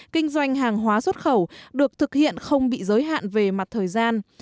kinh doanh hàng hóa xuất khẩu được thực hiện không bị giới hạn về mặt thời gian